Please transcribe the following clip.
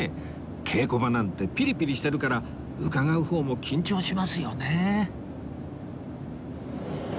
稽古場なんてピリピリしてるから伺う方も緊張しますよね